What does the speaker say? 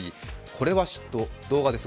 「これは嫉妬」、動画です。